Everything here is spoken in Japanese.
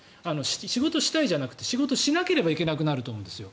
仕事をしたいじゃなくて仕事をしなければいけなくなると思うんですよ。